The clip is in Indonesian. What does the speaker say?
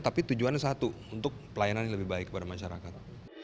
tapi tujuannya satu untuk pelayanan yang lebih baik kepada masyarakat